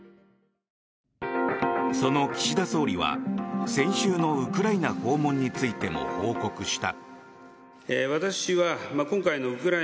その岸田総理は先週のウクライナ訪問についても報告した。